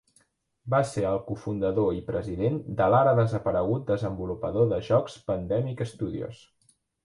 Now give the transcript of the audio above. Va ser el cofundador i president de l'ara desaparegut desenvolupador de jocs Pandemic Studios.